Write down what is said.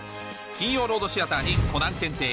金曜ロードシアターにコナン検定